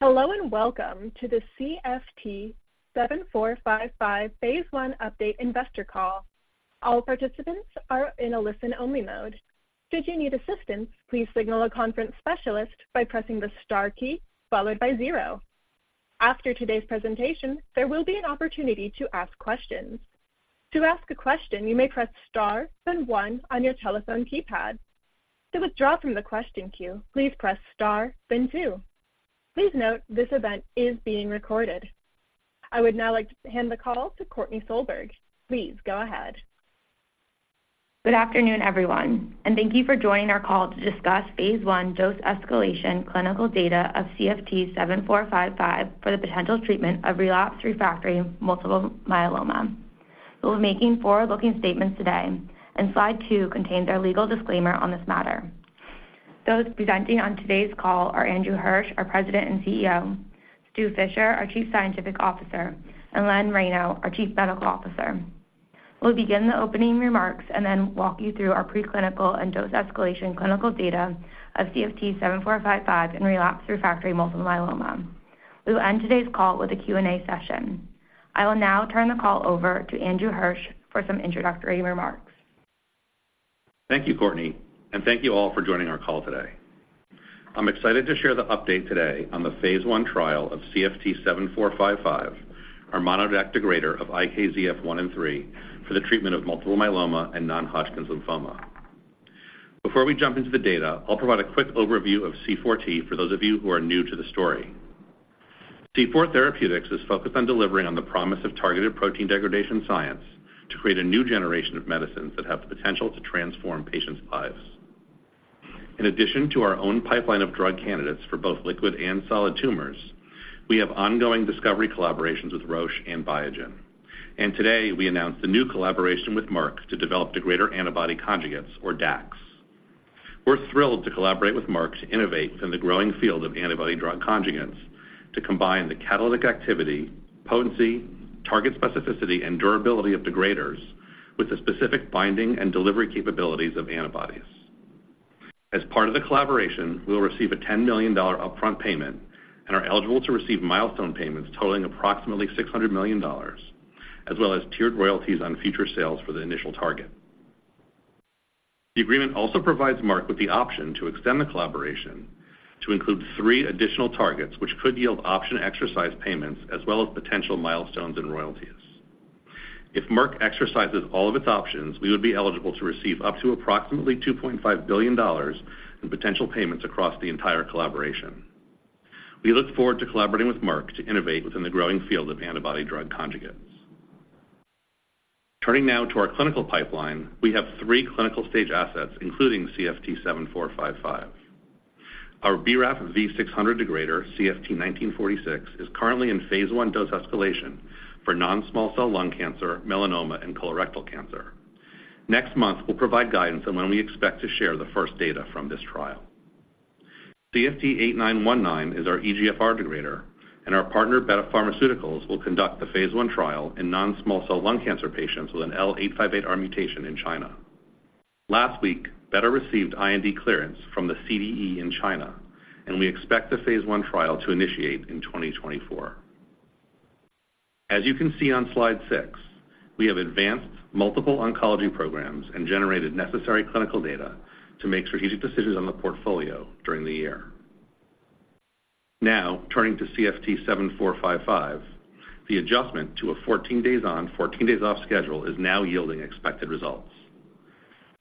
Hello, and welcome to the CFT7455 phase I update investor call. All participants are in a listen-only mode. Should you need assistance, please signal a conference specialist by pressing the star key, followed by zero. After today's presentation, there will be an opportunity to ask questions. To ask a question, you may press star, then one on your telephone keypad. To withdraw from the question queue, please press star, then two. Please note, this event is being recorded. I would now like to hand the call to Courtney Solberg. Please go ahead. Good afternoon, everyone, and thank you for joining our call to discuss phase I dose escalation clinical data of CFT7455 for the potential treatment of relapsed refractory multiple myeloma. We're making forward-looking statements today, and slide two contains our legal disclaimer on this matter. Those presenting on today's call are Andrew Hirsch, our President and CEO, Stew Fisher, our Chief Scientific Officer, and Len Reyno, our Chief Medical Officer. We'll begin the opening remarks and then walk you through our preclinical and dose escalation clinical data of CFT7455 in relapsed refractory multiple myeloma. We will end today's call with a Q&A session. I will now turn the call over to Andrew Hirsch for some introductory remarks. Thank you, Courtney, and thank you all for joining our call today. I'm excited to share the update today on the phase I trial of CFT7455, our MonoDAC degrader of IKZF1 and IKZF3, for the treatment of multiple myeloma and non-Hodgkin's lymphoma. Before we jump into the data, I'll provide a quick overview of C4T for those of you who are new to the story. C4 Therapeutics is focused on delivering on the promise of targeted protein degradation science to create a new generation of medicines that have the potential to transform patients' lives. In addition to our own pipeline of drug candidates for both liquid and solid tumors, we have ongoing discovery collaborations with Roche and Biogen. Today, we announced a new collaboration with Merck to develop degrader antibody conjugates, or DACs. We're thrilled to collaborate with Merck to innovate in the growing field of antibody drug conjugates, to combine the catalytic activity, potency, target specificity, and durability of degraders with the specific binding and delivery capabilities of antibodies. As part of the collaboration, we will receive a $10 million upfront payment and are eligible to receive milestone payments totaling approximately $600 million, as well as tiered royalties on future sales for the initial target. The agreement also provides Merck with the option to extend the collaboration to include three additional targets, which could yield option exercise payments, as well as potential milestones and royalties. If Merck exercises all of its options, we would be eligible to receive up to approximately $2.5 billion in potential payments across the entire collaboration. We look forward to collaborating with Merck to innovate within the growing field of antibody drug conjugates. Turning now to our clinical pipeline, we have three clinical stage assets, including CFT7455. Our BRAF V600 degrader, CFT1946, is currently in phase I dose escalation for non-small cell lung cancer, melanoma, and colorectal cancer. Next month, we'll provide guidance on when we expect to share the first data from this trial. CFT8919 is our EGFR degrader, and our partner, Betta Pharmaceuticals, will conduct the phase I trial in non-small cell lung cancer patients with an L858R mutation in China. Last week, Betta received IND clearance from the CDE in China, and we expect the phase I trial to initiate in 2024. As you can see on slide six, we have advanced multiple oncology programs and generated necessary clinical data to make strategic decisions on the portfolio during the year. Now, turning to CFT7455, the adjustment to a 14 days on, 14 days off schedule is now yielding expected results.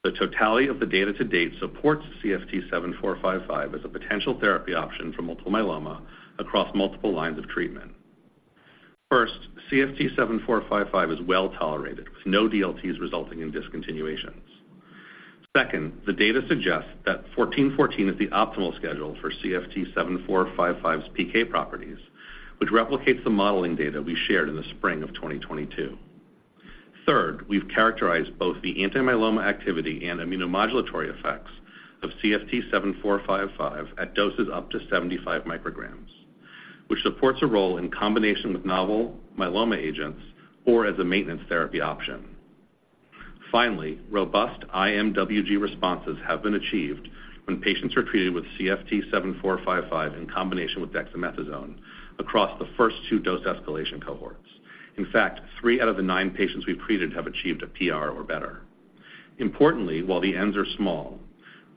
The totality of the data to date supports CFT7455 as a potential therapy option for multiple myeloma across multiple lines of treatment. First, CFT7455 is well-tolerated, with no DLTs resulting in discontinuations. Second, the data suggests that 14/14 is the optimal schedule for CFT7455's PK properties, which replicates the modeling data we shared in the spring of 2022. Third, we've characterized both the anti-myeloma activity and immunomodulatory effects of CFT7455 at doses up to 75 micrograms, which supports a role in combination with novel myeloma agents or as a maintenance therapy option. Finally, robust IMWG responses have been achieved when patients are treated with CFT7455 in combination with dexamethasone across the first two dose escalation cohorts. In fact, three out of the nine patients we've treated have achieved a PR or better. Importantly, while the n's are small,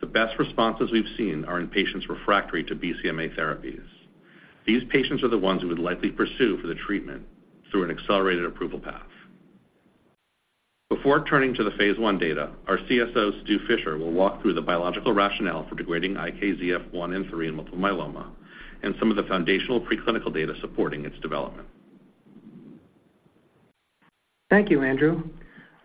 the best responses we've seen are in patients refractory to BCMA therapies. These patients are the ones we would likely pursue for the treatment through an accelerated approval path. Before turning to the phase I data, our CSO, Stew Fisher, will walk through the biological rationale for degrading IKZF1 and IKZF3 in multiple myeloma and some of the foundational preclinical data supporting its development. Thank you, Andrew.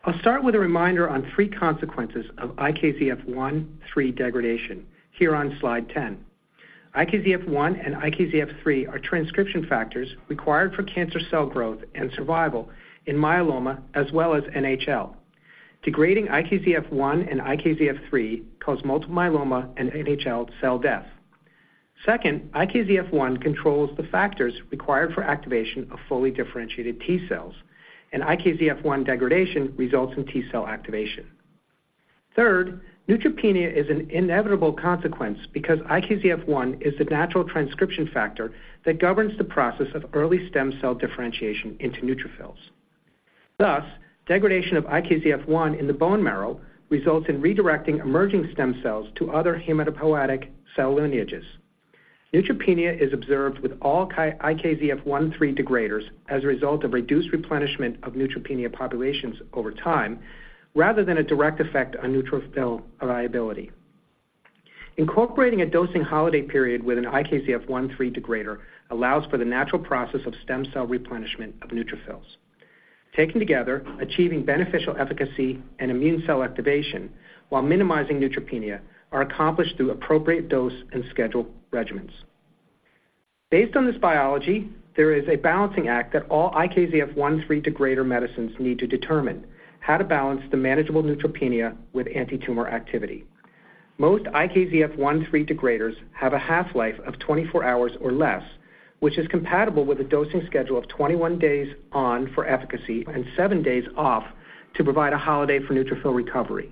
I'll start with a reminder on three consequences of IKZF1, IKZF3 degradation here on slide 10. IKZF1 and IKZF3 are transcription factors required for cancer cell growth and survival in myeloma, as well as NHL. Degrading IKZF1 and IKZF3 cause multiple myeloma and NHL cell death. Second, IKZF1 controls the factors required for activation of fully differentiated T-cells, and IKZF1 degradation results in T-cell activation.... Third, neutropenia is an inevitable consequence because IKZF1 is the natural transcription factor that governs the process of early stem cell differentiation into neutrophils. Thus, degradation of IKZF1 in the bone marrow results in redirecting emerging stem cells to other hematopoietic cell lineages. Neutropenia is observed with all IKZF1/3 degraders as a result of reduced replenishment of neutrophil populations over time, rather than a direct effect on neutrophil viability. Incorporating a dosing holiday period with an IKZF1/3 degrader allows for the natural process of stem cell replenishment of neutrophils. Taken together, achieving beneficial efficacy and immune cell activation while minimizing neutropenia are accomplished through appropriate dose and schedule regimens. Based on this biology, there is a balancing act that all IKZF1/3 degrader medicines need to determine how to balance the manageable neutropenia with antitumor activity. Most IKZF1/3 degraders have a half-life of 24 hours or less, which is compatible with a dosing schedule of 21 days on for efficacy and seven days off to provide a holiday for neutrophil recovery.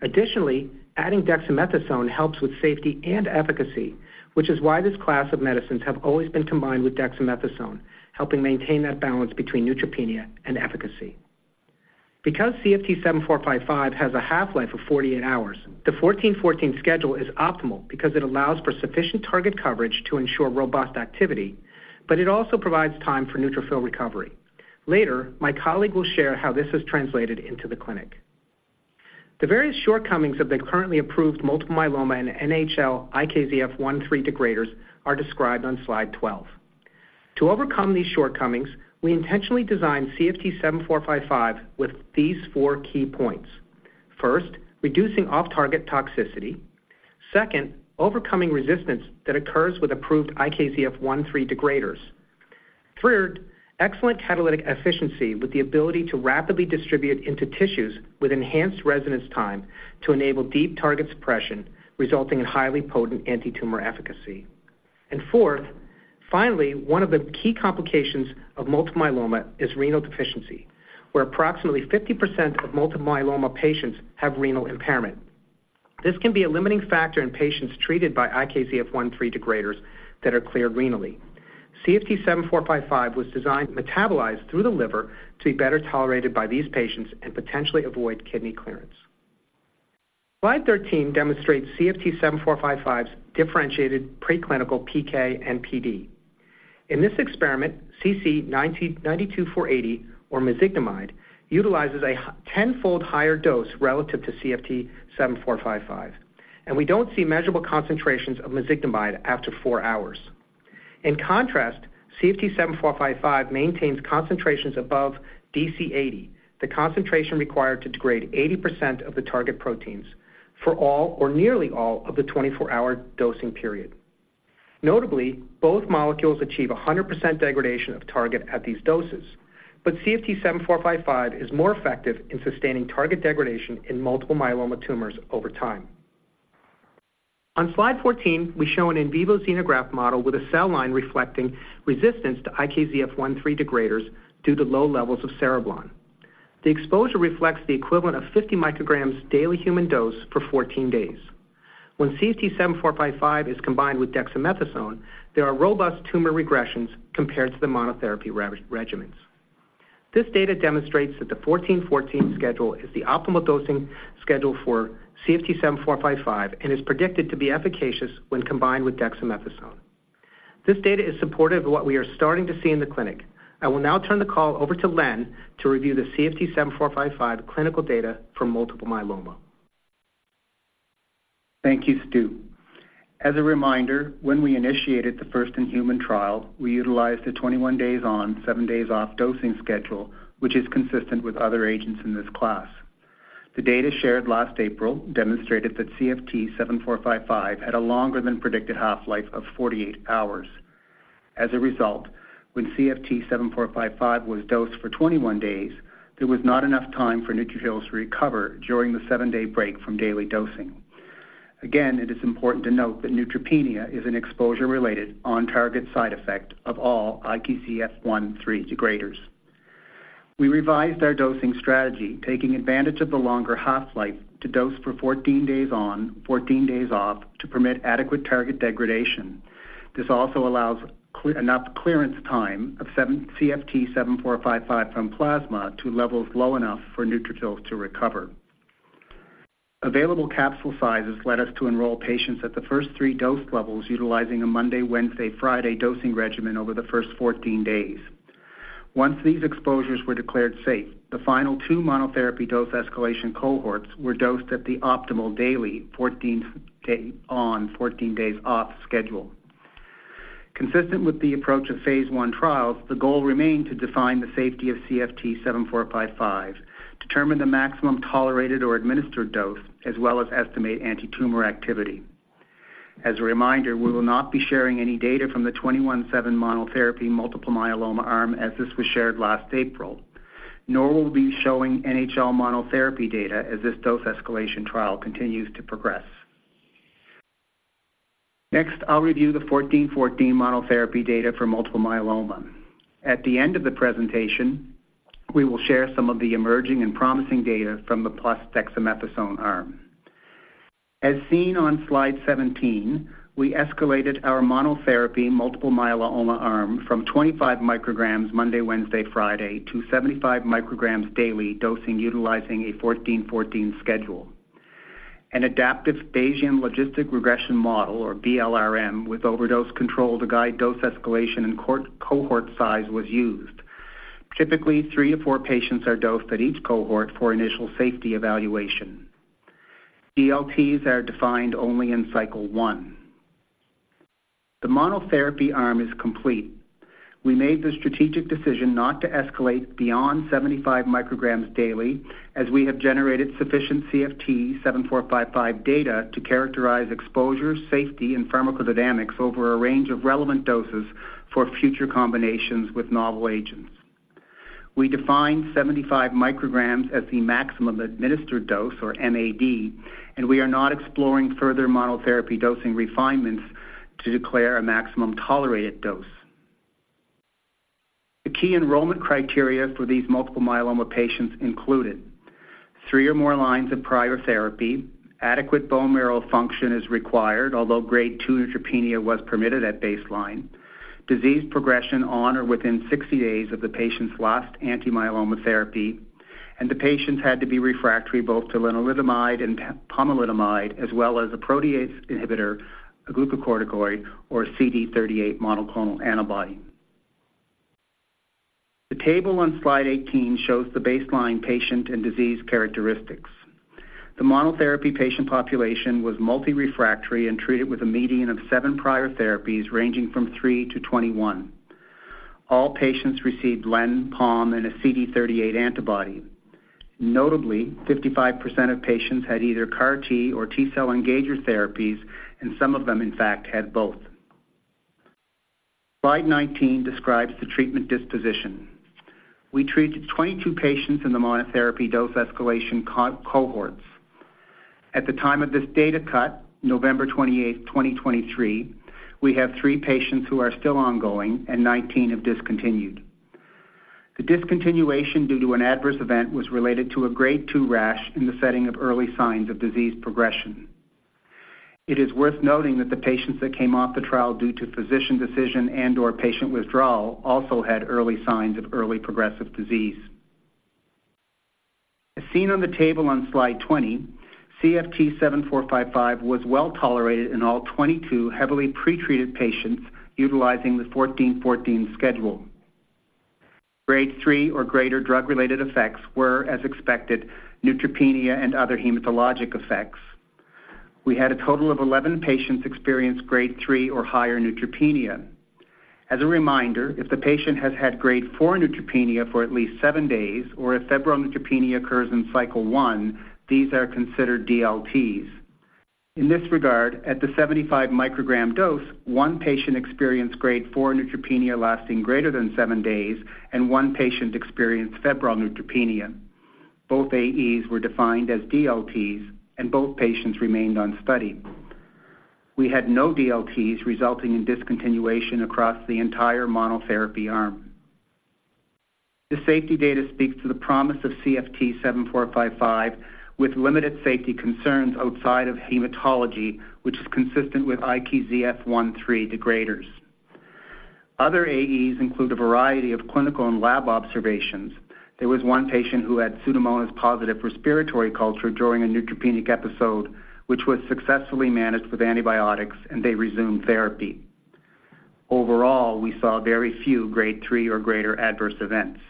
Additionally, adding dexamethasone helps with safety and efficacy, which is why this class of medicines have always been combined with dexamethasone, helping maintain that balance between neutropenia and efficacy. Because CFT7455 has a half-life of 48 hours, the 14/14 schedule is optimal because it allows for sufficient target coverage to ensure robust activity, but it also provides time for neutrophil recovery. Later, my colleague will share how this is translated into the clinic. The various shortcomings of the currently approved multiple myeloma and NHL IKZF1/3 degraders are described on slide 12. To overcome these shortcomings, we intentionally designed CFT7455 with these four key points. First, reducing off-target toxicity. Second, overcoming resistance that occurs with approved IKZF1/3 degraders. Third, excellent catalytic efficiency with the ability to rapidly distribute into tissues with enhanced residence time to enable deep target suppression, resulting in highly potent antitumor efficacy. And fourth, finally, one of the key complications of multiple myeloma is renal deficiency, where approximately 50% of multiple myeloma patients have renal impairment. This can be a limiting factor in patients treated by IKZF1/3 degraders that are cleared renally. CFT7455 was designed to metabolize through the liver to be better tolerated by these patients and potentially avoid kidney clearance. Slide 13 demonstrates CFT7455's differentiated preclinical PK and PD. In this experiment, CC-92480, or mezigdomide, utilizes a tenfold higher dose relative to CFT7455, and we don't see measurable concentrations of mezigdomide after four hours. In contrast, CFT7455 maintains concentrations above DC80, the concentration required to degrade 80% of the target proteins for all or nearly all of the 24-hour dosing period. Notably, both molecules achieve 100% degradation of target at these doses, but CFT7455 is more effective in sustaining target degradation in multiple myeloma tumors over time. On slide 14, we show an in vivo xenograft model with a cell line reflecting resistance to IKZF1/3 degraders due to low levels of cereblon. The exposure reflects the equivalent of 50 micrograms daily human dose for 14 days. When CFT7455 is combined with dexamethasone, there are robust tumor regressions compared to the monotherapy regimens. This data demonstrates that the 14/14 schedule is the optimal dosing schedule for CFT7455 and is predicted to be efficacious when combined with dexamethasone. This data is supportive of what we are starting to see in the clinic. I will now turn the call over to Len to review the CFT7455 clinical data for multiple myeloma. Thank you, Stew. As a reminder, when we initiated the first-in-human trial, we utilized a 21 days on, seven days off dosing schedule, which is consistent with other agents in this class. The data shared last April demonstrated that CFT7455 had a longer than predicted half-life of 48 hours. As a result, when CFT7455 was dosed for 21 days, there was not enough time for neutrophils to recover during the seven-day break from daily dosing. Again, it is important to note that neutropenia is an exposure-related, on-target side effect of all IKZF1/3 degraders. We revised our dosing strategy, taking advantage of the longer half-life to dose for 14 days on, 14 days off, to permit adequate target degradation. This also allows enough clearance time of CFT7455 from plasma to levels low enough for neutrophils to recover. Available capsule sizes led us to enroll patients at the first three dose levels, utilizing a Monday, Wednesday, Friday dosing regimen over the first 14 days. Once these exposures were declared safe, the final two monotherapy dose escalation cohorts were dosed at the optimal daily 14-day on, 14 days off schedule. Consistent with the approach of phase I trials, the goal remained to define the safety of CFT7455, determine the maximum tolerated or administered dose, as well as estimate antitumor activity. As a reminder, we will not be sharing any data from the 21/7 monotherapy multiple myeloma arm, as this was shared last April, nor will we be showing NHL monotherapy data as this dose escalation trial continues to progress. Next, I'll review the 14/14 monotherapy data for multiple myeloma. At the end of the presentation, we will share some of the emerging and promising data from the plus dexamethasone arm. As seen on slide 17, we escalated our monotherapy multiple myeloma arm from 25 micrograms Monday, Wednesday, Friday, to 75 micrograms daily dosing utilizing a 14/14 schedule. An adaptive Bayesian Logistic Regression Model, or BLRM, with overdose control to guide dose escalation and cohort size was used. Typically, three to four patients are dosed at each cohort for initial safety evaluation. DLTs are defined only in cycle one. The monotherapy arm is complete. We made the strategic decision not to escalate beyond 75 micrograms daily, as we have generated sufficient CFT7455 data to characterize exposure, safety, and pharmacodynamics over a range of relevant doses for future combinations with novel agents. We define 75 micrograms as the maximum administered dose, or MAD, and we are not exploring further monotherapy dosing refinements to declare a maximum tolerated dose. The key enrollment criteria for these multiple myeloma patients included three or more lines of prior therapy, adequate bone marrow function is required, although grade II neutropenia was permitted at baseline, disease progression on or within 60 days of the patient's last anti-myeloma therapy, and the patients had to be refractory both to lenalidomide and pomalidomide, as well as a protease inhibitor, a glucocorticoid, or a CD38 monoclonal antibody. The table on slide 18 shows the baseline patient and disease characteristics. The monotherapy patient population was multi-refractory and treated with a median of seven prior therapies, ranging from three to 21. All patients received LEN, POM, and a CD38 antibody. Notably, 55% of patients had either CAR T or T-cell engager therapies, and some of them, in fact, had both. Slide 19 describes the treatment disposition. We treated 22 patients in the monotherapy dose escalation cohorts. At the time of this data cut, November 28, 2023, we have three patients who are still ongoing and 19 have discontinued. The discontinuation due to an adverse event was related to a grade II rash in the setting of early signs of disease progression. It is worth noting that the patients that came off the trial due to physician decision and/or patient withdrawal also had early signs of early progressive disease. As seen on the table on slide 20, CFT7455 was well tolerated in all 22 heavily pretreated patients utilizing the 14/14 schedule. Grade III or greater drug-related effects were, as expected, neutropenia and other hematologic effects. We had a total of 11 patients experience grade III or higher neutropenia. As a reminder, if the patient has had grade IV neutropenia for at least seven days, or if febrile neutropenia occurs in cycle one, these are considered DLTs. In this regard, at the 75 microgram dose, one patient experienced grade IV neutropenia lasting greater than seven days, and one patient experienced febrile neutropenia. Both AEs were defined as DLTs, and both patients remained on study. We had no DLTs resulting in discontinuation across the entire monotherapy arm. The safety data speaks to the promise of CFT7455, with limited safety concerns outside of hematology, which is consistent with IKZF1/3 degraders. Other AEs include a variety of clinical and lab observations. There was one patient who had Pseudomonas-positive respiratory culture during a neutropenic episode, which was successfully managed with antibiotics, and they resumed therapy. Overall, we saw very few grade III or greater adverse events.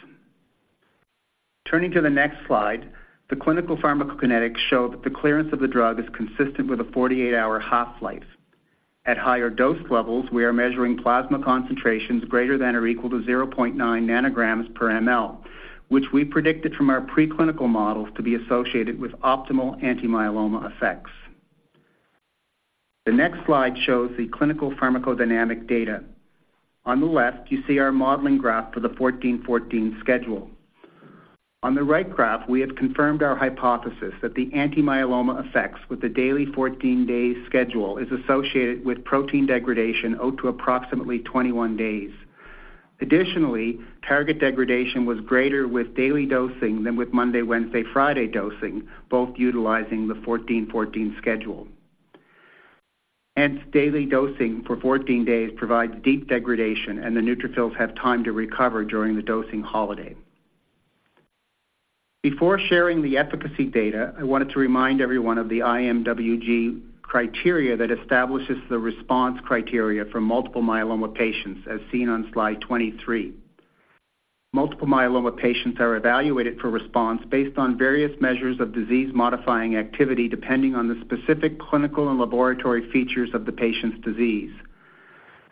Turning to the next slide, the clinical pharmacokinetics show that the clearance of the drug is consistent with a 48-hour half-life. At higher dose levels, we are measuring plasma concentrations greater than or equal to 0.9 ng/mL, which we predicted from our preclinical models to be associated with optimal anti-myeloma effects. The next slide shows the clinical pharmacodynamic data. On the left, you see our modeling graph for the 14/14 schedule. On the right graph, we have confirmed our hypothesis that the anti-myeloma effects with the daily 14-day schedule is associated with protein degradation over approximately 21 days. Additionally, target degradation was greater with daily dosing than with Monday, Wednesday, Friday dosing, both utilizing the 14/14 schedule. Hence, daily dosing for 14 days provides deep degradation, and the neutrophils have time to recover during the dosing holiday. Before sharing the efficacy data, I wanted to remind everyone of the IMWG criteria that establishes the response criteria for multiple myeloma patients, as seen on slide 23. Multiple myeloma patients are evaluated for response based on various measures of disease-modifying activity, depending on the specific clinical and laboratory features of the patient's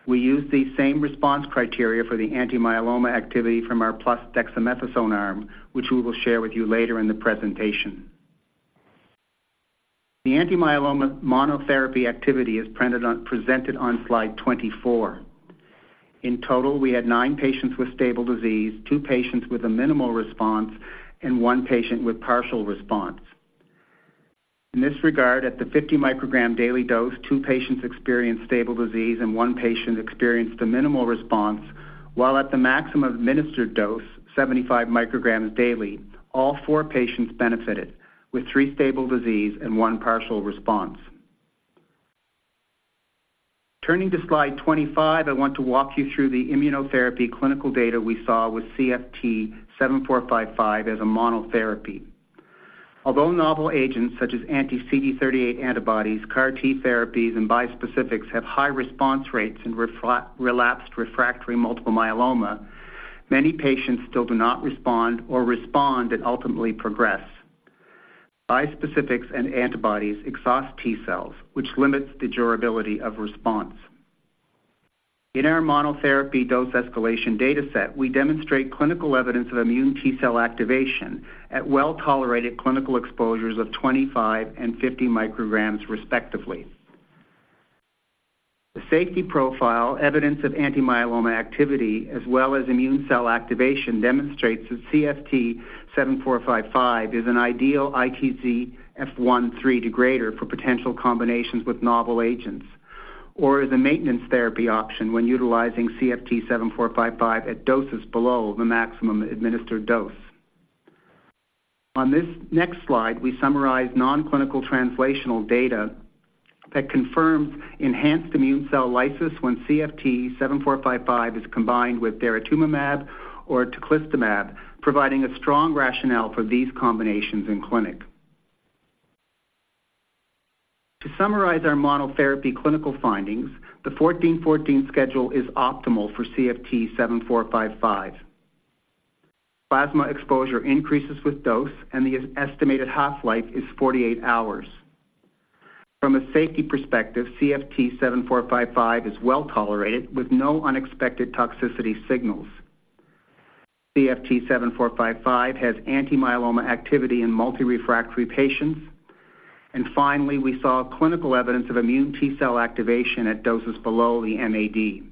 disease. We use the same response criteria for the anti-myeloma activity from our plus dexamethasone arm, which we will share with you later in the presentation. The anti-myeloma monotherapy activity is presented on slide 24. In total, we had nine patients with stable disease, two patients with a minimal response, and one patient with partial response. In this regard, at the 50 microgram daily dose, two patients experienced stable disease and one patient experienced a minimal response, while at the maximum administered dose, 75 micrograms daily, all four patients benefited, with three stable disease and one partial response. Turning to slide 25, I want to walk you through the immunotherapy clinical data we saw with CFT7455 as a monotherapy. Although novel agents such as anti-CD38 antibodies, CAR T therapies, and bispecifics have high response rates in relapsed refractory multiple myeloma, many patients still do not respond or respond and ultimately progress. Bispecifics and antibodies exhaust T-cells, which limits the durability of response. In our monotherapy dose escalation data set, we demonstrate clinical evidence of immune T-cell activation at well-tolerated clinical exposures of 25 micrograms and 50 micrograms, respectively. The safety profile, evidence of anti-myeloma activity, as well as immune cell activation, demonstrates that CFT7455 is an ideal IKZF1/3 degrader for potential combinations with novel agents, or as a maintenance therapy option when utilizing CFT7455 at doses below the maximum administered dose. On this next slide, we summarize nonclinical translational data that confirms enhanced immune cell lysis when CFT7455 is combined with daratumumab or teclistamab, providing a strong rationale for these combinations in clinic. To summarize our monotherapy clinical findings, the 14/14 schedule is optimal for CFT7455. Plasma exposure increases with dose, and the estimated half-life is 48 hours. From a safety perspective, CFT7455 is well-tolerated with no unexpected toxicity signals. CFT7455 has anti-myeloma activity in multi-refractory patients. And finally, we saw clinical evidence of immune T-cell activation at doses below the MAD.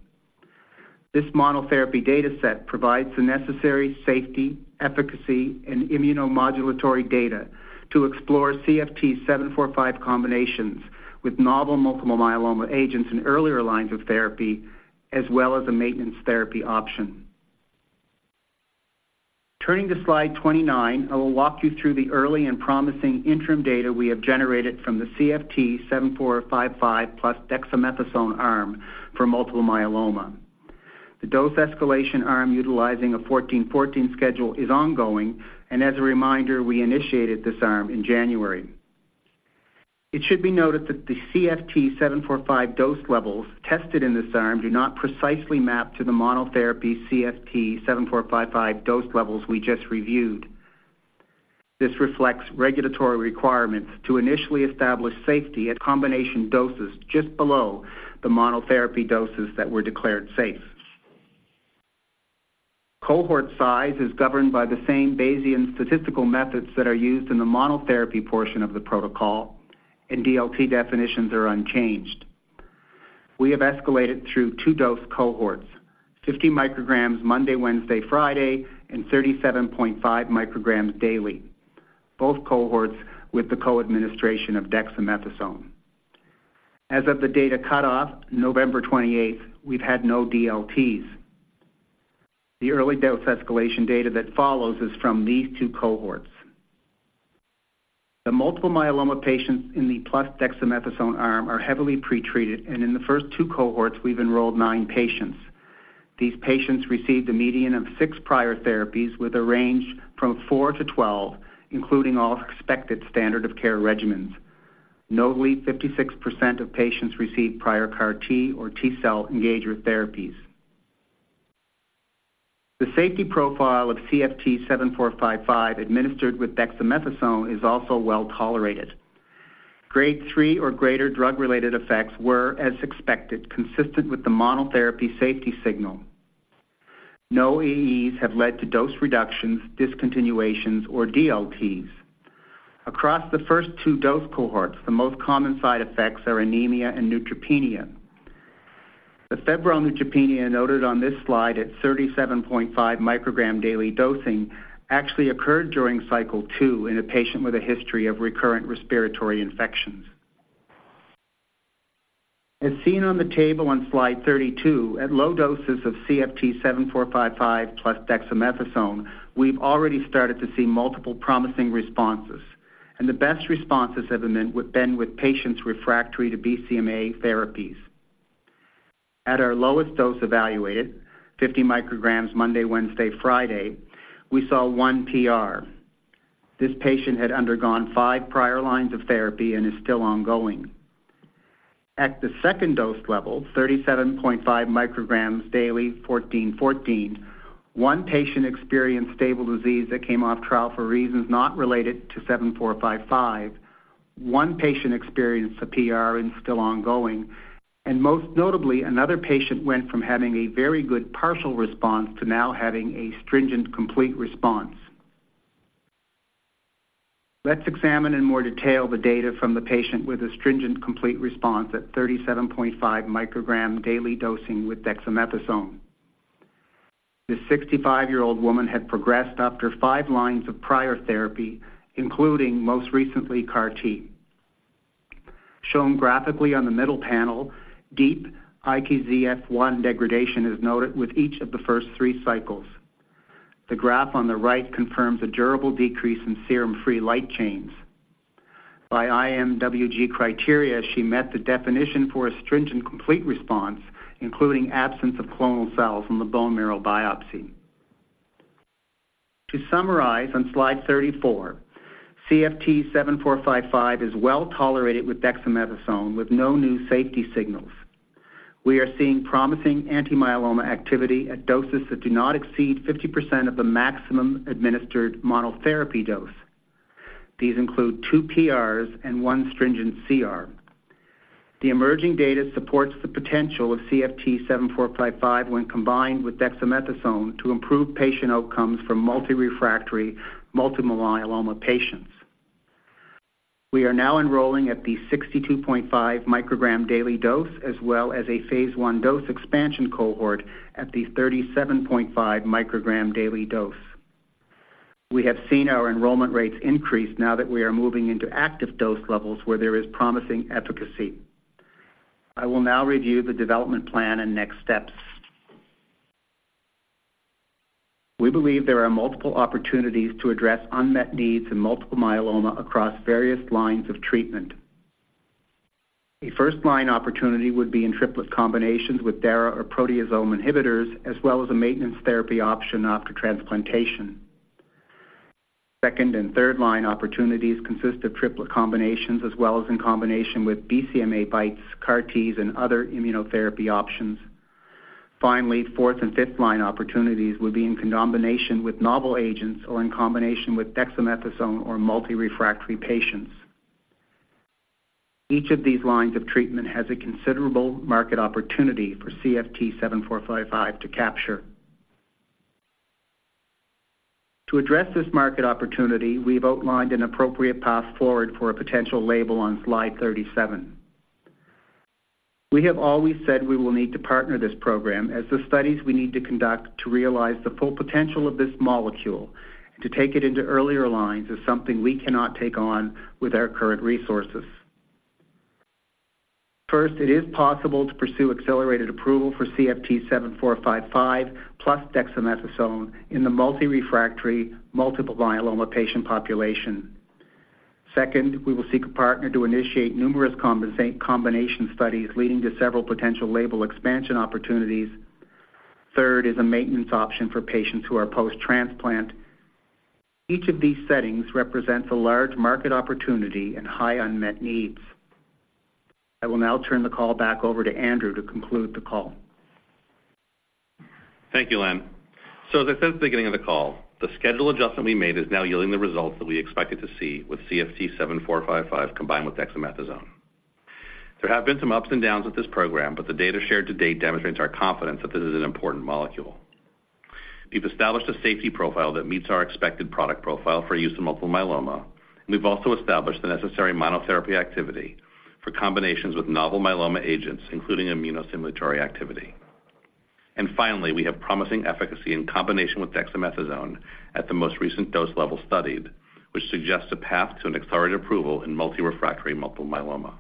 This monotherapy data set provides the necessary safety, efficacy, and immunomodulatory data to explore CFT7455 combinations with novel multiple myeloma agents in earlier lines of therapy, as well as a maintenance therapy option. Turning to slide 29, I will walk you through the early and promising interim data we have generated from the CFT7455 plus dexamethasone arm for multiple myeloma. The dose escalation arm utilizing a 14/14 schedule is ongoing, and as a reminder, we initiated this arm in January. It should be noted that the CFT7455 dose levels tested in this arm do not precisely map to the monotherapy CFT7455 dose levels we just reviewed. This reflects regulatory requirements to initially establish safety at combination doses just below the monotherapy doses that were declared safe. Cohort size is governed by the same Bayesian statistical methods that are used in the monotherapy portion of the protocol, and DLT definitions are unchanged. We have escalated through two dose cohorts, 50 micrograms Monday, Wednesday, Friday, and 37.5 micrograms daily, both cohorts with the co-administration of dexamethasone. As of the data cutoff, November 28th, we've had no DLTs. The early dose escalation data that follows is from these two cohorts. The multiple myeloma patients in the plus dexamethasone arm are heavily pretreated, and in the first two cohorts, we've enrolled nine patients. These patients received a median of six prior therapies, with a range from four to 12, including all expected standard of care regimens. Notably, 56% of patients received prior CAR T or T-cell engager therapies. The safety profile of CFT7455 administered with dexamethasone is also well tolerated. Grade III or greater drug-related effects were, as expected, consistent with the monotherapy safety signal. No AEs have led to dose reductions, discontinuations, or DLTs. Across the first two dose cohorts, the most common side effects are anemia and neutropenia. The febrile neutropenia noted on this slide at 37.5 microgram daily dosing actually occurred during cycle two in a patient with a history of recurrent respiratory infections. As seen on the table on slide 32, at low doses of CFT7455 plus dexamethasone, we've already started to see multiple promising responses, and the best responses have been with patients refractory to BCMA therapies. At our lowest dose evaluated, 50 micrograms Monday, Wednesday, Friday, we saw 1 PR. This patient had undergone five prior lines of therapy and is still ongoing. At the second dose level, 37.5 micrograms daily, 14/14, one patient experienced stable disease that came off trial for reasons not related to CFT7455. One patient experienced a PR and still ongoing, and most notably, another patient went from having a very good partial response to now having a stringent complete response... Let's examine in more detail the data from the patient with a stringent complete response at 37.5 microgram daily dosing with dexamethasone. This 65-year-old woman had progressed after five lines of prior therapy, including most recently, CAR T. Shown graphically on the middle panel, deep IKZF1 degradation is noted with each of the first three cycles. The graph on the right confirms a durable decrease in serum-free light chains. By IMWG criteria, she met the definition for a stringent complete response, including absence of clonal cells from the bone marrow biopsy. To summarize, on slide 34, CFT7455 is well-tolerated with dexamethasone, with no new safety signals. We are seeing promising anti-myeloma activity at doses that do not exceed 50% of the maximum administered monotherapy dose. These include two2 PRs and one stringent CR. The emerging data supports the potential of CFT7455 when combined with dexamethasone to improve patient outcomes for multi-refractory, multiple myeloma patients. We are now enrolling at the 62.5 microgram daily dose, as well as a phase I dose expansion cohort at the 37.5 microgram daily dose. We have seen our enrollment rates increase now that we are moving into active dose levels where there is promising efficacy. I will now review the development plan and next steps. We believe there are multiple opportunities to address unmet needs in multiple myeloma across various lines of treatment. A first-line opportunity would be in triplet combinations with Dara or proteasome inhibitors, as well as a maintenance therapy option after transplantation. Second and third-line opportunities consist of triplet combinations, as well as in combination with BCMA BiTEs, CAR Ts, and other immunotherapy options. Finally, fourth and fifth-line opportunities would be in combination with novel agents or in combination with dexamethasone or multi-refractory patients. Each of these lines of treatment has a considerable market opportunity for CFT7455 to capture. To address this market opportunity, we've outlined an appropriate path forward for a potential label on slide 37. We have always said we will need to partner this program as the studies we need to conduct to realize the full potential of this molecule, and to take it into earlier lines, is something we cannot take on with our current resources. First, it is possible to pursue accelerated approval for CFT7455 plus dexamethasone in the multi-refractory, multiple myeloma patient population. Second, we will seek a partner to initiate numerous combination studies leading to several potential label expansion opportunities. Third is a maintenance option for patients who are post-transplant. Each of these settings represents a large market opportunity and high unmet needs. I will now turn the call back over to Andrew to conclude the call. Thank you, Len. So as I said at the beginning of the call, the schedule adjustment we made is now yielding the results that we expected to see with CFT7455 combined with dexamethasone. There have been some ups and downs with this program, but the data shared to date demonstrates our confidence that this is an important molecule. We've established a safety profile that meets our expected product profile for use in multiple myeloma, and we've also established the necessary monotherapy activity for combinations with novel myeloma agents, including immunostimulatory activity. And finally, we have promising efficacy in combination with dexamethasone at the most recent dose level studied, which suggests a path to an accelerated approval in multi-refractory multiple myeloma.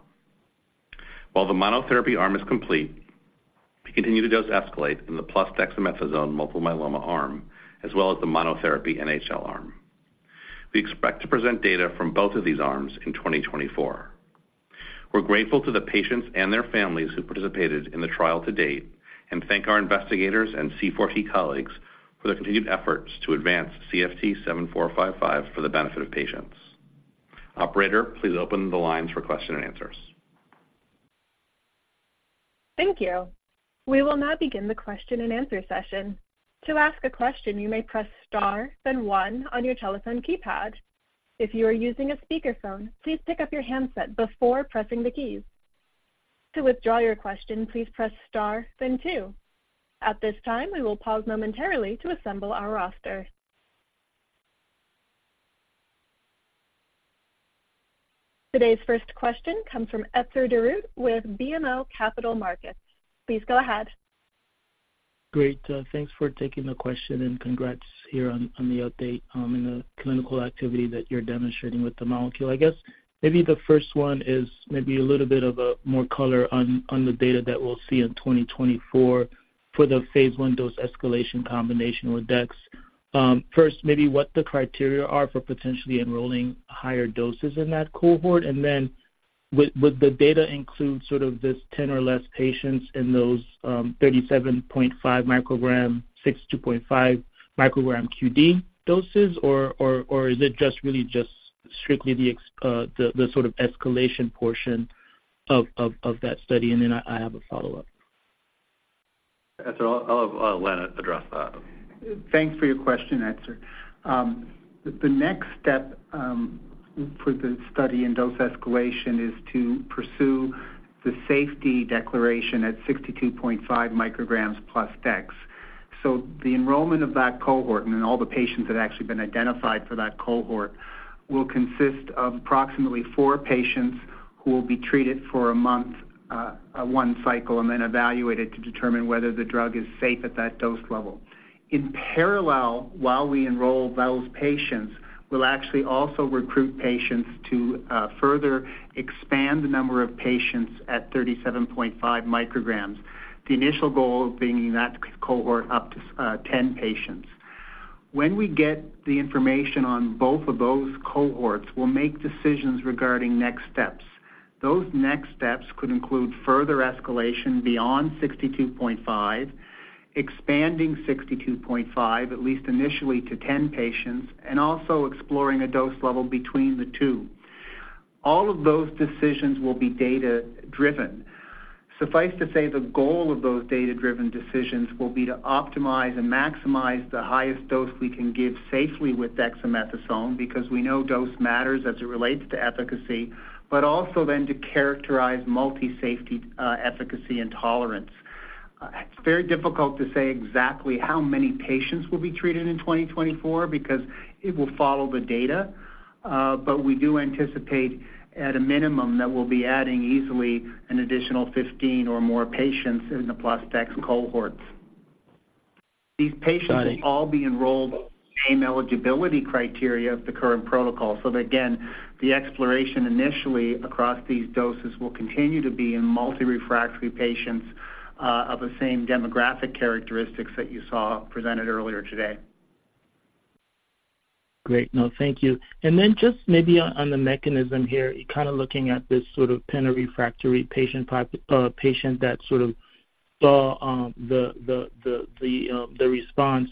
While the monotherapy arm is complete, we continue to dose escalate in the plus dexamethasone multiple myeloma arm, as well as the monotherapy NHL arm. We expect to present data from both of these arms in 2024. We're grateful to the patients and their families who participated in the trial to date, and thank our investigators and C4 colleagues for their continued efforts to advance CFT7455 for the benefit of patients. Operator, please open the lines for question and answers. Thank you. We will now begin the question-and-answer session. To ask a question, you may press star, then one on your telephone keypad. If you are using a speakerphone, please pick up your handset before pressing the keys. To withdraw your question, please press star then two. At this time, we will pause momentarily to assemble our roster. Today's first question comes from Etzer Darout with BMO Capital Markets. Please go ahead. Great, thanks for taking the question, and congrats here on the update, and the clinical activity that you're demonstrating with the molecule. I guess maybe the first one is maybe a little bit more color on the data that we'll see in 2024 for the phase I dose escalation combination with DEX. First, maybe what the criteria are for potentially enrolling higher doses in that cohort, and then would the data include sort of this 10 or less patients in those 37.5 microgram, 62.5 microgram QD doses, or is it just really just strictly the ex- the sort of escalation portion of that study? And then I have a follow-up. Etzer, I'll let Len address that. Thanks for your question, Etzer. The next step for the study in dose escalation is to pursue the safety declaration at 62.5 micrograms plus DEX. So the enrollment of that cohort and all the patients that actually been identified for that cohort will consist of approximately four patients who will be treated for a month, one cycle, and then evaluated to determine whether the drug is safe at that dose level. In parallel, while we enroll those patients, we'll actually also recruit patients to further expand the number of patients at 37.5 micrograms. The initial goal of bringing that cohort up to 10 patients. When we get the information on both of those cohorts, we'll make decisions regarding next steps. Those next steps could include further escalation beyond 62.5 micrograms, expanding 62.5 micrograms, at least initially to 10 patients, and also exploring a dose level between the two. All of those decisions will be data-driven. Suffice to say, the goal of those data-driven decisions will be to optimize and maximize the highest dose we can give safely with dexamethasone, because we know dose matters as it relates to efficacy, but also then to characterize multi-safety, efficacy, and tolerance. It's very difficult to say exactly how many patients will be treated in 2024 because it will follow the data, but we do anticipate at a minimum, that we'll be adding easily an additional 15 or more patients in the plus DEX cohorts. These patients will all be enrolled in the same eligibility criteria of the current protocol. Again, the exploration initially across these doses will continue to be in multi-refractory patients, of the same demographic characteristics that you saw presented earlier today. Great. No, thank you. And then just maybe on the mechanism here, kind of looking at this sort of prior refractory patient population that sort of saw the response.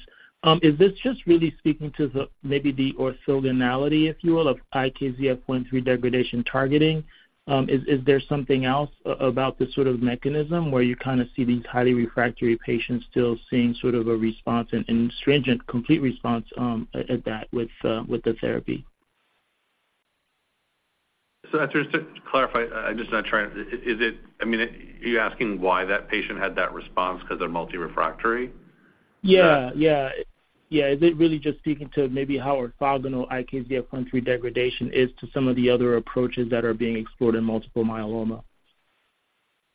Is this just really speaking to the maybe the orthogonality, if you will, of IKZF1/3 degradation targeting? Is there something else about this sort of mechanism where you kind of see these highly refractory patients still seeing sort of a response and stringent complete response at that with the therapy? So just to clarify, I mean, are you asking why that patient had that response because they're multi-refractory? Yeah, yeah. Yeah, is it really just speaking to maybe how orthogonal IKZF1/3 degradation is to some of the other approaches that are being explored in multiple myeloma?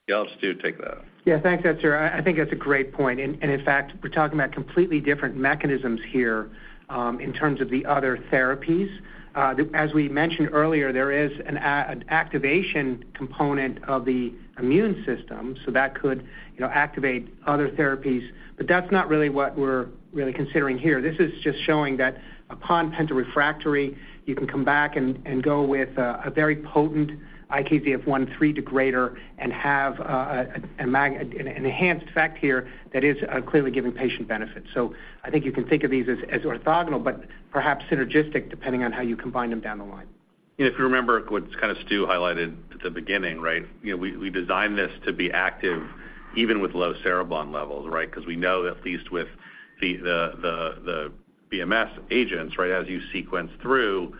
Yeah, Stew, take that. Yeah, thanks, Etzer. I think that's a great point. And in fact, we're talking about completely different mechanisms here, in terms of the other therapies. As we mentioned earlier, there is an activation component of the immune system, so that could, you know, activate other therapies, but that's not really what we're really considering here. This is just showing that upon penta-refractory, you can come back and go with a very potent IKZF1/3 degrader and have an enhanced effect here that is clearly giving patient benefits. So I think you can think of these as orthogonal, but perhaps synergistic, depending on how you combine them down the line. If you remember what kind of Stew highlighted at the beginning, right? You know, we designed this to be active even with low cereblon levels, right? Because we know, at least with the BMS agents, right, as you sequence through,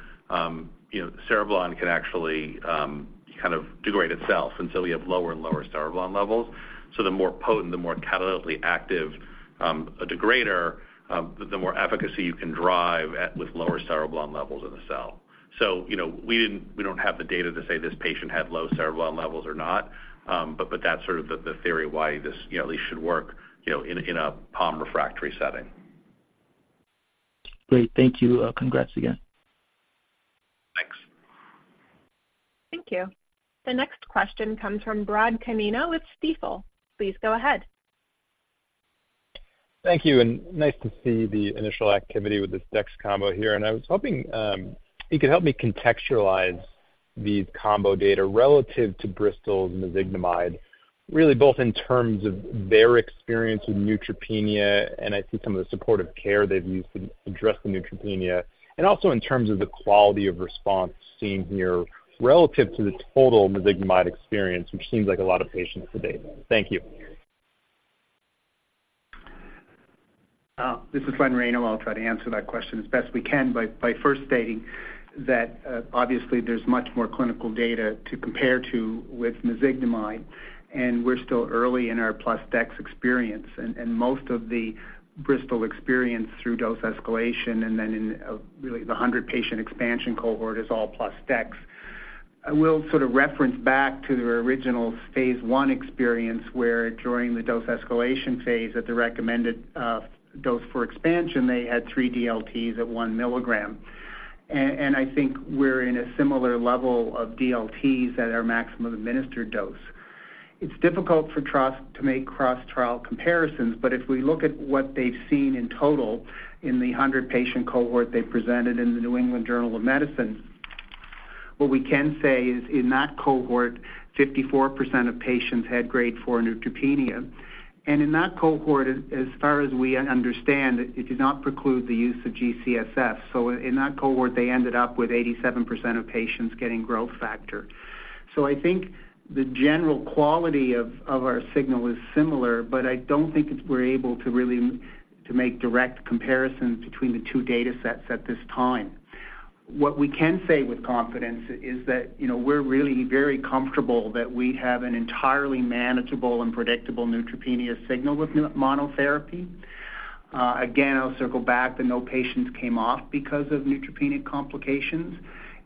you know, cereblon can actually kind of degrade itself until you have lower and lower cereblon levels. So the more potent, the more catalytically active, a degrader, the more efficacy you can drive at with lower cereblon levels in the cell. So, you know, we didn't-- we don't have the data to say this patient had low cereblon levels or not, but that's sort of the theory of why this, you know, at least should work, you know, in a pom refractory setting. Great. Thank you. Congrats again. Thanks. Thank you. The next question comes from Brad Canino with Stifel. Please go ahead. Thank you, and nice to see the initial activity with this DEX combo here. I was hoping you could help me contextualize these combo data relative to Bristol's mezigdomide, really, both in terms of their experience with neutropenia and I think some of the supportive care they've used to address the neutropenia, and also in terms of the quality of response seen here relative to the total mezigdomide experience, which seems like a lot of patients to date. Thank you. This is Len Reyno. I'll try to answer that question as best we can by, by first stating that, obviously there's much more clinical data to compare to with mezigdomide, and we're still early in our plus DEX experience, and, and most of the Bristol experience through dose escalation and then in, really the 100-patient expansion cohort is all plus DEX. I will sort of reference back to their original phase I experience, where during the dose escalation phase, at the recommended, dose for expansion, they had three DLTs at 1 mg. And, and I think we're in a similar level of DLTs at our maximum administered dose. It's difficult for trust to make cross-trial comparisons, but if we look at what they've seen in total in the 100-patient cohort they presented in the New England Journal of Medicine, what we can say is in that cohort, 54% of patients had grade IV neutropenia. And in that cohort, as far as we understand, it did not preclude the use of G-CSF. So in that cohort, they ended up with 87% of patients getting growth factor. So I think the general quality of our signal is similar, but I don't think we're able to really make direct comparisons between the two datasets at this time.... What we can say with confidence is that, you know, we're really very comfortable that we have an entirely manageable and predictable neutropenia signal with mono therapy. Again, I'll circle back, that no patients came off because of neutropenic complications.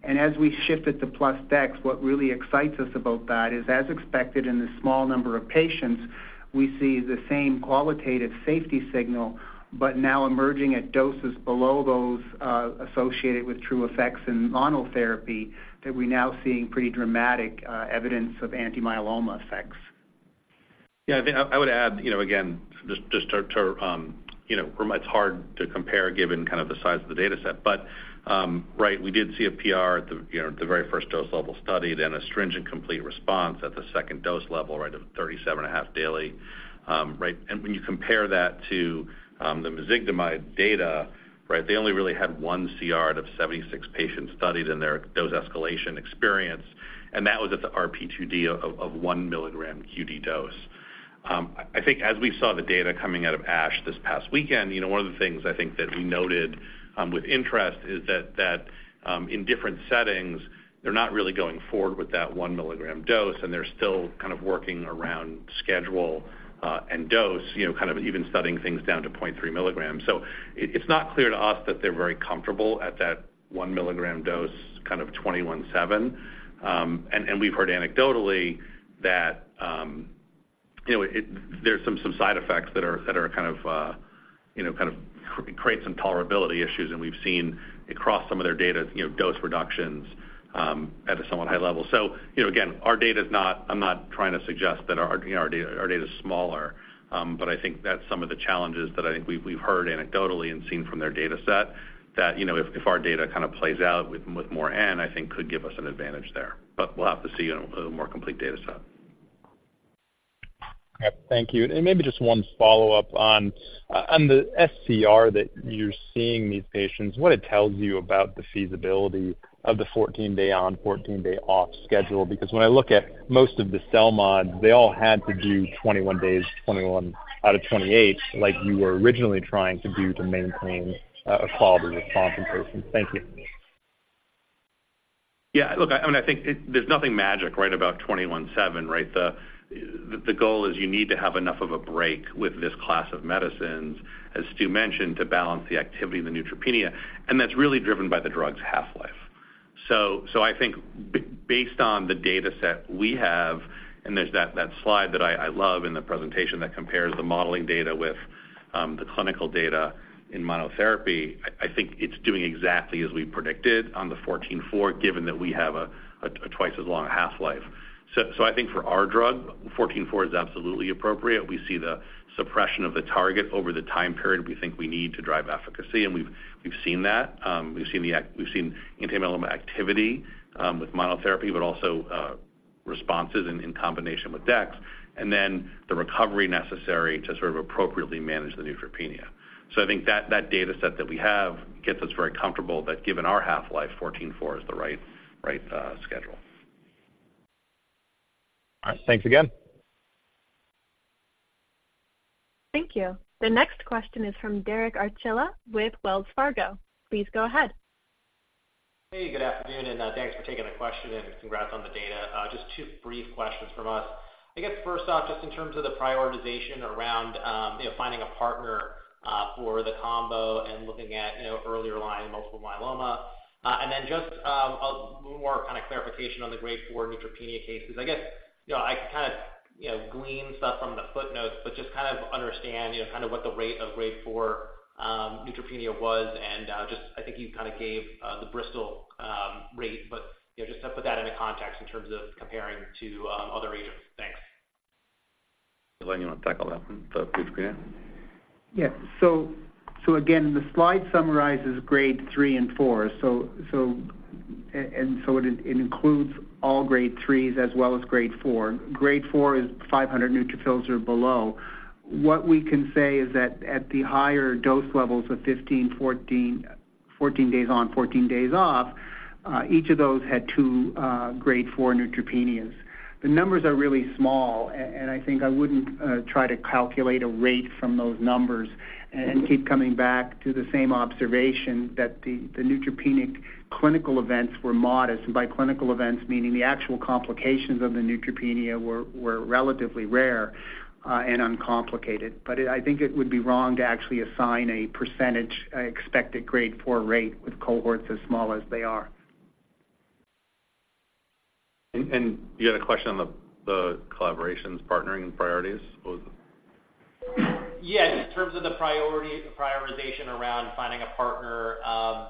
And as we shifted to plus DEX, what really excites us about that is, as expected in the small number of patients, we see the same qualitative safety signal, but now emerging at doses below those, associated with true effects in monotherapy, that we're now seeing pretty dramatic, evidence of anti-myeloma effects. Yeah, I think I would add, you know, again, just to, you know, it's hard to compare given kind of the size of the data set, but, right, we did see a PR at the, you know, the very first dose level study, then a stringent complete response at the second dose level, right, of 37.5 microgram daily. Right, and when you compare that to, the mezigdomide data, right, they only really had one CR out of 76 patients studied in their dose escalation experience, and that was at the RP2D of 1 mg QD dose. I think as we saw the data coming out of ASH this past weekend, you know, one of the things I think that we noted, with interest is that, that, in different settings, they're not really going forward with that 1 mg dose, and they're still kind of working around schedule, and dose, you know, kind of even studying things down to 0.3 mg. So it, it's not clear to us that they're very comfortable at that 1 mg dose, kind of 21/7. And, and we've heard anecdotally that, you know, it, there's some, some side effects that are, that are kind of, you know, kind of, create some tolerability issues, and we've seen across some of their data, you know, dose reductions, at a somewhat high level. So, you know, again, our data is not... I'm not trying to suggest that our, you know, our data, our data is smaller, but I think that's some of the challenges that I think we've, we've heard anecdotally and seen from their data set, that, you know, if, if our data kind of plays out with, with more n, I think could give us an advantage there. But we'll have to see in a, a more complete data set. Yep, thank you. Maybe just one follow-up on the sCR that you're seeing these patients, what it tells you about the feasibility of the 14-day on, 14-day off schedule? Because when I look at most of the CELMoDs, they all had to do 21 days, 21 out of 28, like you were originally trying to do to maintain a solid response in person. Thank you. Yeah, look, I think there's nothing magic, right, about 21/7, right? The goal is you need to have enough of a break with this class of medicines, as Stew mentioned, to balance the activity of the neutropenia, and that's really driven by the drug's half-life. So, I think based on the data set we have, and there's that slide that I love in the presentation that compares the modeling data with the clinical data in monotherapy, I think it's doing exactly as we predicted on the 14/4, given that we have a twice as long half-life. So, I think for our drug, 14/4 is absolutely appropriate. We see the suppression of the target over the time period we think we need to drive efficacy, and we've seen that. We've seen anti-myeloma activity with monotherapy, but also responses in combination with DEX, and then the recovery necessary to sort of appropriately manage the neutropenia. So I think that data set that we have gets us very comfortable that given our half-life, 14/4 is the right, right schedule. All right. Thanks again. Thank you. The next question is from Derek Archila with Wells Fargo. Please go ahead. Hey, good afternoon, and, thanks for taking the question, and congrats on the data. Just two brief questions from us. I guess first off, just in terms of the prioritization around, you know, finding a partner, for the combo and looking at, you know, earlier line multiple myeloma. And then just, a more kind of clarification on the grade IV neutropenia cases. I guess, you know, I can kind of, you know, glean stuff from the footnotes, but just kind of understand, you know, kind of what the rate of grade IV, neutropenia was, and, just I think you kind of gave, the Bristol, rate, but, you know, just to put that into context in terms of comparing to, other agents. Thanks. Len, you want to tackle that one? So please go ahead. Yeah. So again, the slide summarizes grade III and IV. So, and so it includes all grade IIIs as well as grade IV. Grade IV is 500 neutrophils or below. What we can say is that at the higher dose levels of 15, 14, 14 days on, 14 days off, each of those had two grade IV neutropenias. The numbers are really small, and I think I wouldn't try to calculate a rate from those numbers and keep coming back to the same observation that the neutropenic clinical events were modest, and by clinical events, meaning the actual complications of the neutropenia were relatively rare, and uncomplicated. But I think it would be wrong to actually assign a percentage expected grade IV rate with cohorts as small as they are. And you had a question on the collaborations, partnering and priorities? What was it? Yes, in terms of the priority, prioritization around finding a partner,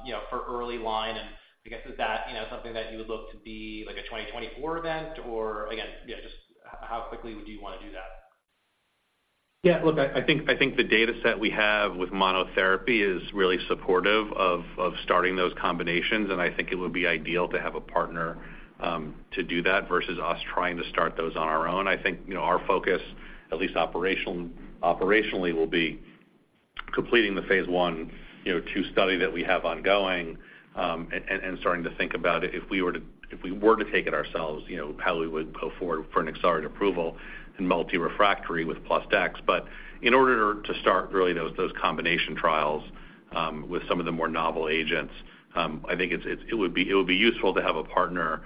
you know, for early line, and I guess, is that, you know, something that you would look to be like a 2024 event? Or again, yeah, just how quickly would you want to do that? Yeah, look, I think the data set we have with monotherapy is really supportive of starting those combinations, and I think it would be ideal to have a partner to do that versus us trying to start those on our own. I think, you know, our focus, at least operationally, will be completing the phase I, you know, two study that we have ongoing, and starting to think about if we were to take it ourselves, you know, how we would go forward for an accelerated approval in multi-refractory with plus DEX. But in order to start really those combination trials with some of the more novel agents. I think it would be useful to have a partner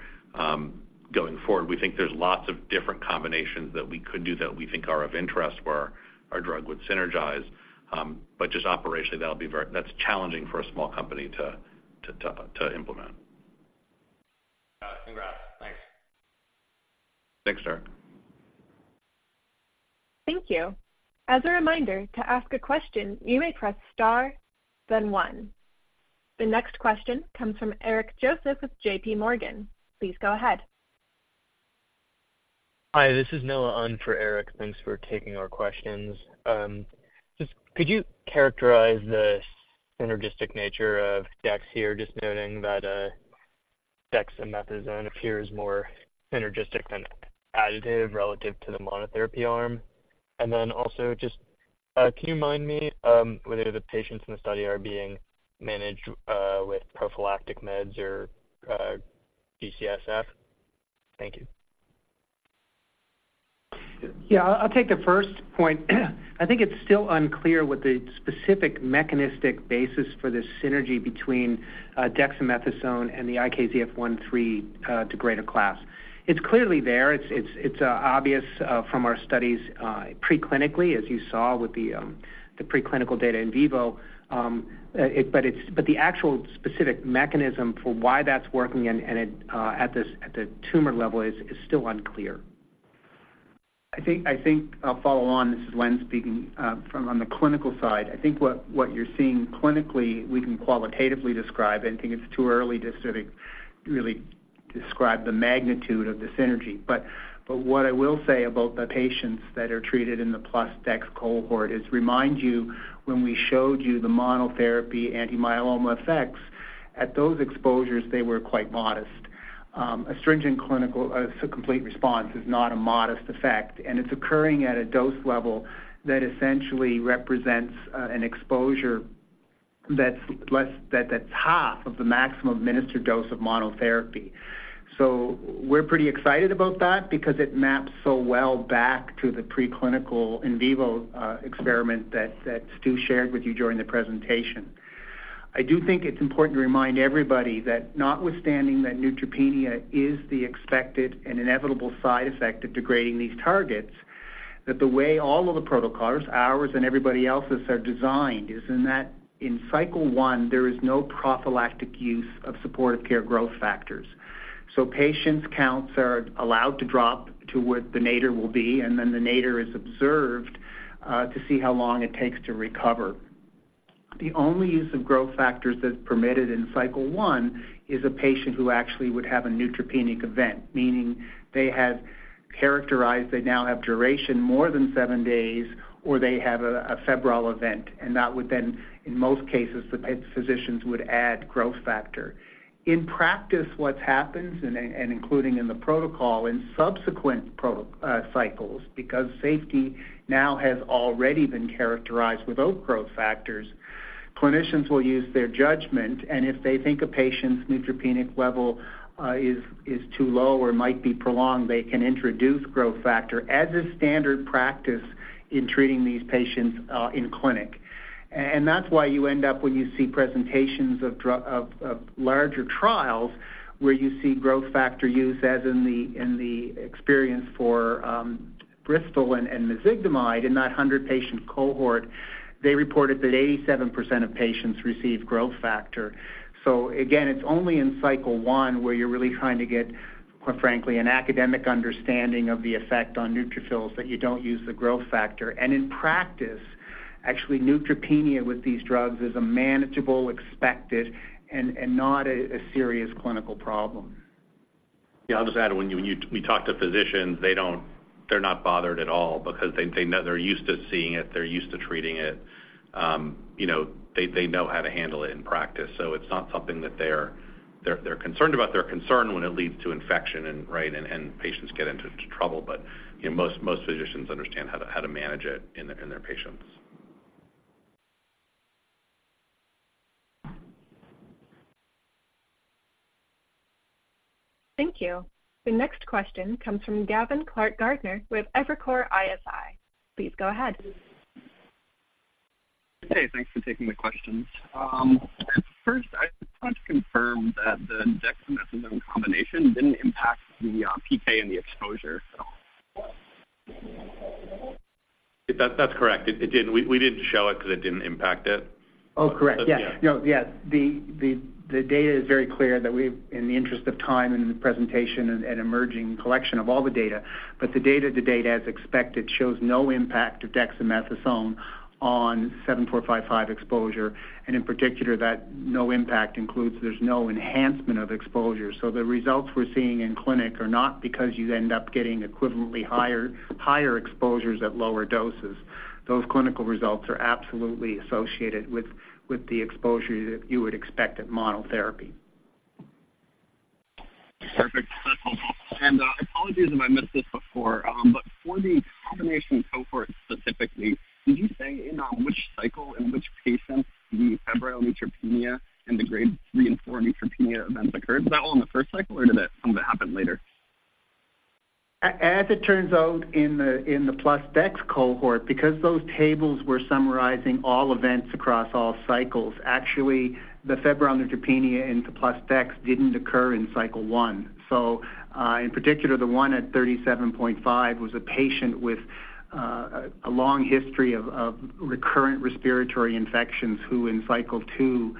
going forward. We think there's lots of different combinations that we could do that we think are of interest, where our drug would synergize. But just operationally, that'll be very... That's challenging for a small company to implement. Got it. Congrats. Thanks. Thanks, Sir. Thank you. As a reminder, to ask a question, you may press star, then one. The next question comes from Eric Joseph with JPMorgan. Please go ahead. Hi, this is Noah on for Eric. Thanks for taking our questions. Just could you characterize the synergistic nature of DEX here, just noting that dexamethasone appears more synergistic than additive relative to the monotherapy arm? And then also, just can you mind me whether the patients in the study are being managed with prophylactic meds or G-CSF? Thank you. Yeah, I'll take the first point. I think it's still unclear what the specific mechanistic basis for this synergy between dexamethasone and the IKZF1/3 degrader class. It's clearly there. It's obvious from our studies preclinically, as you saw with the preclinical data in vivo. But the actual specific mechanism for why that's working and it at the tumor level is still unclear. I think I'll follow on, this is Len speaking. From the clinical side, I think what you're seeing clinically, we can qualitatively describe. I think it's too early to sort of really describe the magnitude of the synergy. But what I will say about the patients that are treated in the plus DEX cohort is remind you, when we showed you the monotherapy anti-myeloma effects, at those exposures, they were quite modest. Stringent complete response is not a modest effect, and it's occurring at a dose level that essentially represents an exposure that's half of the maximum administered dose of monotherapy. So we're pretty excited about that because it maps so well back to the preclinical in vivo experiment that Stew shared with you during the presentation. I do think it's important to remind everybody that notwithstanding that neutropenia is the expected and inevitable side effect of degrading these targets, that the way all of the protocols, ours and everybody else's, are designed, is in that in cycle one, there is no prophylactic use of supportive care growth factors. So patients' counts are allowed to drop to what the nadir will be, and then the nadir is observed, to see how long it takes to recover. The only use of growth factors that's permitted in cycle one is a patient who actually would have a neutropenic event, meaning they have characterized, they now have duration more than seven days, or they have a febrile event, and that would then, in most cases, the physicians would add growth factor. In practice, what happens, and including in the protocol, in subsequent cycles, because safety now has already been characterized without growth factors, clinicians will use their judgment, and if they think a patient's neutropenic level is too low or might be prolonged, they can introduce growth factor as a standard practice in treating these patients in clinic. And that's why you end up, when you see presentations of larger trials, where you see growth factor used, as in the experience for Bristol and mezigdomide, in that 100-patient cohort, they reported that 87% of patients received growth factor. So again, it's only in cycle one where you're really trying to get, quite frankly, an academic understanding of the effect on neutrophils, that you don't use the growth factor. In practice, actually, neutropenia with these drugs is a manageable, expected, and not a serious clinical problem. Yeah, I'll just add, when we talk to physicians, they're not bothered at all because they know, they're used to seeing it, they're used to treating it. You know, they know how to handle it in practice, so it's not something that they're concerned about. They're concerned when it leads to infection, right, and patients get into trouble, but you know, most physicians understand how to manage it in their patients. Thank you. The next question comes from Gavin Clark-Gartner with Evercore ISI. Please go ahead. Hey, thanks for taking the questions. First, I just want to confirm that the dexamethasone combination didn't impact the, PK and the exposure at all? That's correct. It didn't. We didn't show it because it didn't impact it. Oh, correct. Yeah. Yes. No, yes. The data is very clear that we've... In the interest of time and the presentation and emerging collection of all the data, but the data as expected shows no impact of dexamethasone on 7455 exposure, and in particular, that no impact includes there's no enhancement of exposure. So the results we're seeing in clinic are not because you end up getting equivalently higher exposures at lower doses. Those clinical results are absolutely associated with the exposure that you would expect at monotherapy. Perfect. That's all. Apologies if I missed this before, but for the combination cohort, specifically, did you say in which cycle, in which patients, the febrile neutropenia and the grade III and IV neutropenia events occurred? Is that all in the first cycle, or did that some of it happen later?... As it turns out, in the plus DEX cohort, because those tables were summarizing all events across all cycles, actually, the febrile neutropenia in the plus DEX didn't occur in cycle one. So, in particular, the one at 37.5 microgram was a patient with a long history of recurrent respiratory infections, who in cycle two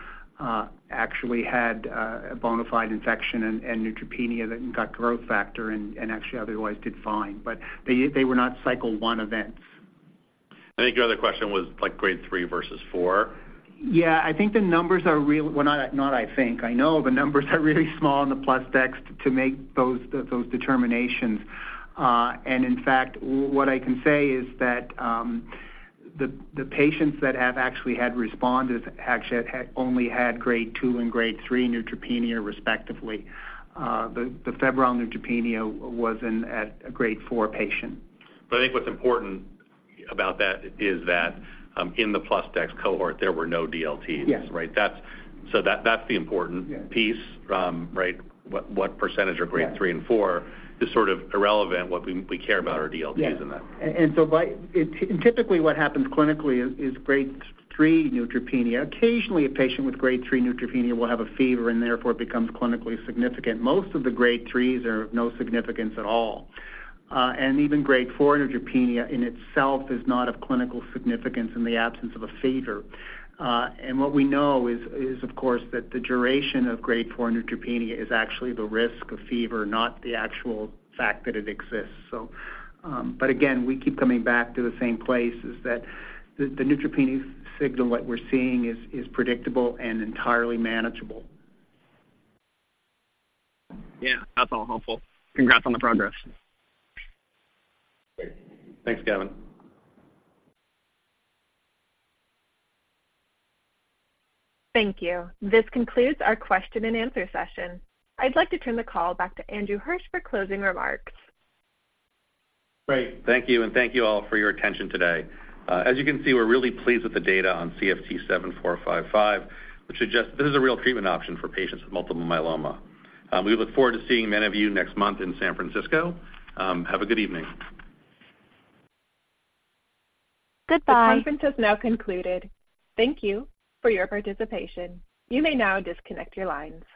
actually had a bona fide infection and neutropenia that got growth factor and actually otherwise did fine. But they were not cycle one events. I think your other question was like grade III versus IV? Yeah, I think the numbers are real. Well, not, not I think. I know the numbers are really small in the plus DEX to make those determinations. And in fact, what I can say is that the patients that have actually had responses actually had only had grade II and grade III neutropenia, respectively. The febrile neutropenia was in a grade IV patient. But I think what's important about that is that, in the plus DEX cohort, there were no DLTs. Yes. Right? That's... So that, that's the important- Yes. -piece, right? What, what percentage are grade III- Yes And four is sort of irrelevant. What we care about are DLTs in that. Yes. Typically, what happens clinically is grade III neutropenia. Occasionally, a patient with grade III neutropenia will have a fever, and therefore it becomes clinically significant. Most of the grade IIIs are of no significance at all. And even grade IV neutropenia in itself is not of clinical significance in the absence of a fever. And what we know is, of course, that the duration of grade IV neutropenia is actually the risk of fever, not the actual fact that it exists. So, but again, we keep coming back to the same place, that the neutropenic signal that we're seeing is predictable and entirely manageable. Yeah, that's all helpful. Congrats on the progress. Great. Thanks, Gavin. Thank you. This concludes our question and answer session. I'd like to turn the call back to Andrew Hirsch for closing remarks. Great. Thank you, and thank you all for your attention today. As you can see, we're really pleased with the data on CFT7455, which suggests this is a real treatment option for patients with multiple myeloma. We look forward to seeing many of you next month in San Francisco. Have a good evening. Goodbye. The conference has now concluded. Thank you for your participation. You may now disconnect your lines.